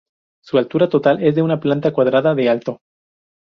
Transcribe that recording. Su altura total es de en una planta cuadrada de de lado.